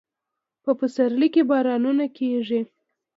په پسرلي کې بارانونه کیږي